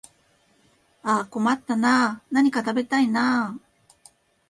ああ困ったなあ、何か食べたいなあ